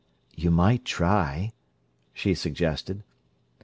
"You might try," she suggested.